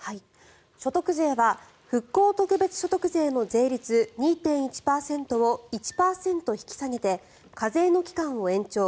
所得税は復興特別所得税の税率２．１％を１％引き下げて課税の期間を延長。